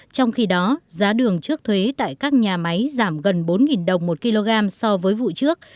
trong khi đó giá đường trước thuế tại các nhà máy giảm gần bốn đồng một kg so với vụ trước